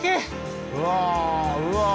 うわうわあ